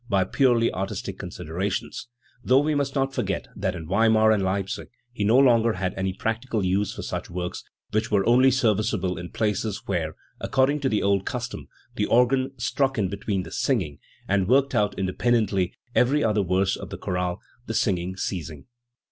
283 by purely artistic considerations, though we must not forget that in Weimar and Leipzig he no longer had any practical use for such works, which were only serviceable in places where, according to the old custom, the organ "struck in between the singing" and worked out inde pendently every other verse of the chorale, the singing ceasing*.